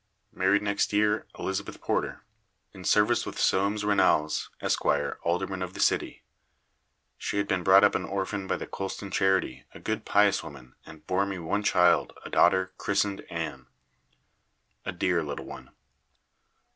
Married next year, Elizabeth Porter, in service with Soames Rennalls, Esquire, Alderman of the City. She had been brought up an orphan by the Colston Charity; a good pious woman, and bore me one child, a daughter, christened Ann a dear little one.